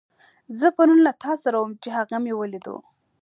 زه پرون له تاسره وم، چې هغه مې وليدو.